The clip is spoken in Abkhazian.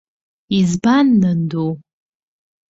Избан, нанду?